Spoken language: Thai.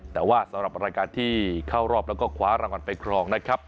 แต่ว่าสำหรับรายการที่เข้ารอบแล้วก็คว้ารางวัลไปครองนะครับ